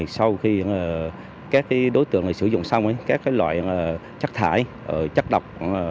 sau khi các đối tượng này sử dụng xong các loại chất thải chất độc